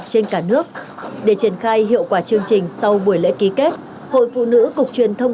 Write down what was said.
trên cả nước để triển khai hiệu quả chương trình sau buổi lễ ký kết hội phụ nữ cục truyền thông